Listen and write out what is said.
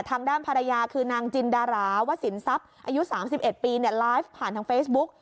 ทางด้านภรรยาคือนางจินดาราวสินทรัพย์อายุ๓๑ปีไลฟ์ผ่านทางเฟซบุ๊ก